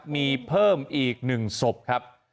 มีเพิ่มอีก๑ศพครับ